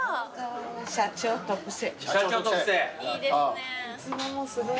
社長特製。